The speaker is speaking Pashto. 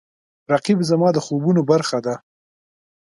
رقیب زما د خوبونو برخه ده